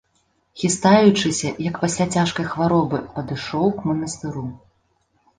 Хістаючыся, як пасля цяжкай хваробы, падышоў к манастыру.